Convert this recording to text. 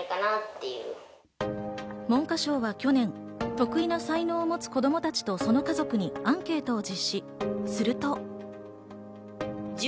文科省は去年、特異な才能を持つ子供たちとその家族にアンケートを実施。